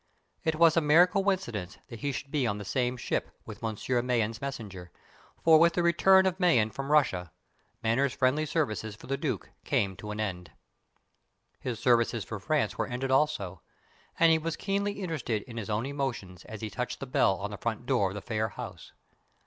It was a mere coincidence that he should be on the same ship with Monsieur Mayen's messenger, for with the return of Mayen from Russia, Manners' friendly services for the Duke came to an end. His services for France were ended also; and he was keenly interested in his own emotions as he touched the bell on the front door of the Phayre house.